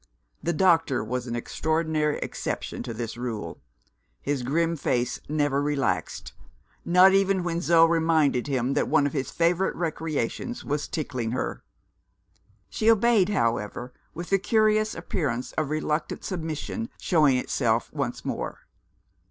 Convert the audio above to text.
The doctor was an extraordinary exception to this rule; his grim face never relaxed not even when Zo reminded him that one of his favourite recreations was tickling her. She obeyed, however, with the curious appearance of reluctant submission showing itself once more.